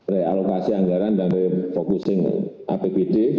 re alokasi anggaran dan re focusing apbd